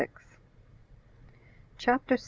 CHAPTER 6.